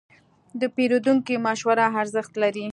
د پیرودونکي مشوره ارزښت لري.